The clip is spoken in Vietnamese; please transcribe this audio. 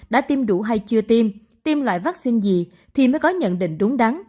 đã tiêm đủ hay chưa tiêm tiêm loại vaccine gì thì mới có nhận định đúng đắn